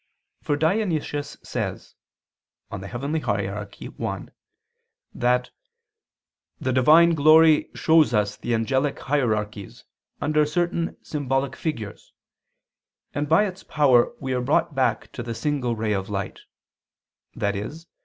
For Dionysius says (Coel. Hier. i) that "the Divine glory shows us the angelic hierarchies under certain symbolic figures, and by its power we are brought back to the single ray of light," i.e.